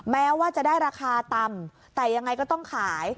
แม้ว่าจะได้ราคาต่ำแต่ยังไงก็ต้องขาย